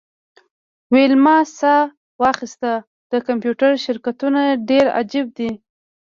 ویلما ساه واخیسته د کمپیوټر شرکتونه ډیر عجیب دي